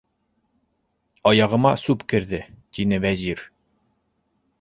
- Аяғыма сүп керҙе, - тине Вәзир.